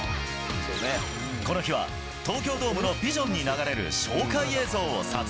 この日は、東京ドームのビジョンに流れる紹介映像を撮影。